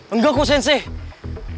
enggak ko sensei